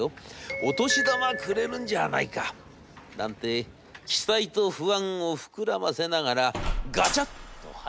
お年玉くれるんじゃないか？』なんて期待と不安を膨らませながらガチャっと入った社長室。